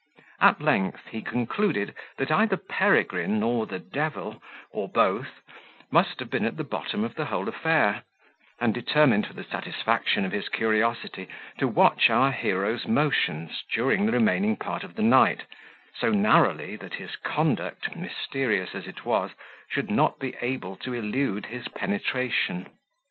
At length, he concluded, that either Peregrine, or the devil, or both must have been at the bottom of the whole affair, and determined, for the satisfaction of his curiosity, to watch our hero's motions, during the remaining part of the night, so narrowly, that his conduct, mysterious as it was, should not be able to elude his penetration.